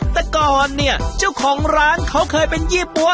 แต่ก่อนเนี่ยเจ้าของร้านเขาเคยเป็นยี่ปั๊ว